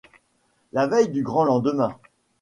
La veille du grand lendemain.